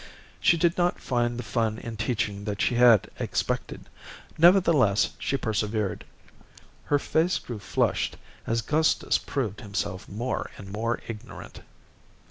She did not find the fun in teaching that she had expected. Nevertheless, she persevered. Her face grew flushed as Gustus proved himself more and more ignorant.